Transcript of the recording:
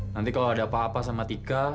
nanti kalau ada apa apa sama tika